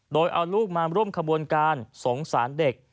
โดยเอาลูกมาร่วมขบวนการสงสารเด็ก